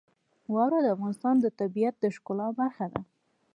واوره د افغانستان د طبیعت د ښکلا برخه ده.